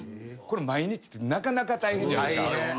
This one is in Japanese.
これ毎日ってなかなか大変じゃないですか。